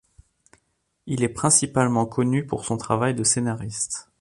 Il est principalement connu pour son travail de scénariste.